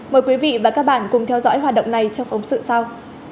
mời quý vị và các bạn cùng theo dõi hoạt động này trong phóng sự sau